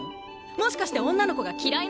もしかして女の子が嫌いなの？